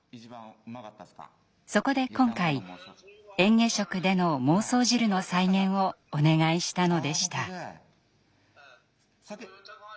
そこで今回えん下食での孟宗汁の再現をお願いしたのでした。